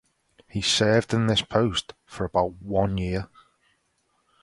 He served in this post for about one year.